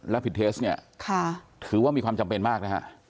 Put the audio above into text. แล้วผิดเทสเนี่ยถือว่ามีความจำเป็นมากนะฮะ